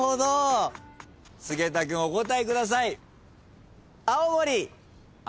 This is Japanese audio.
菅田君お答えください。